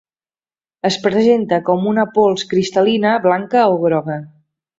Es presenta com una pols cristal·lina blanca o groga.